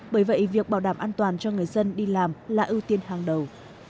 bởi vậy việc bảo đảm an toàn cho người dân đi làm là ưu tiên hàng đầu